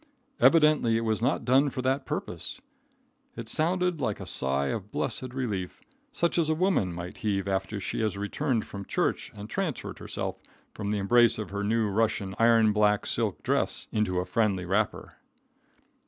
Evidently it was not done for that purpose. It sounded like a sigh of blessed relief, such as a woman might heave after she has returned from church and transferred herself from the embrace of her new Russia iron, black silk dress into a friendly wrapper.